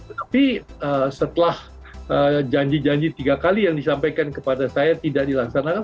tapi setelah janji janji tiga kali yang disampaikan kepada saya tidak dilaksanakan